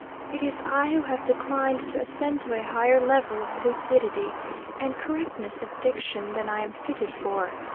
It is I who have declined to ascend to a higher level of lucidity and correctness of diction than I am fitted for.